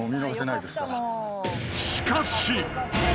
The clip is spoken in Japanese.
［しかし］